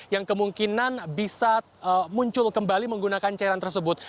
yang kemungkinan bisa muncul kembali menggunakan cairan tersebut